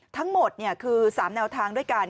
ทั้งหมดคือ๓แนวทางด้วยกัน